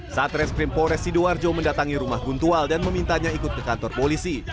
saat reskrim pores sidoarjo mendatangi rumah guntual dan memintanya ikut ke kantor polisi